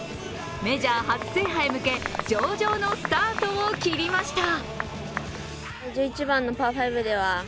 メジャー初制覇へ向け上々のスタートを切りました。